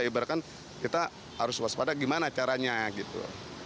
ibaratkan kita harus waspada gimana caranya gitu